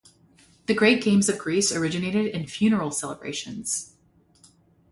The great games of Greece originated in funeral celebrations.